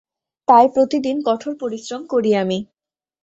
তাই প্রতিদিন কঠোর পরিশ্রম করি আমি।